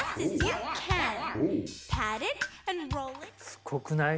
すごくない？